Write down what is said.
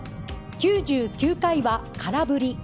９９回の空振り。